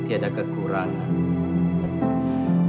tidak ada kekurangan